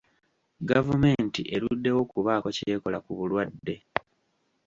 Gavumenti eruddewo okubaako ky'ekola ku bulwadde.